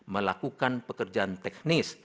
melakukan pekerjaan teknis